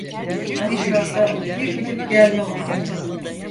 Ön tarafta bir gidip gelme oldu.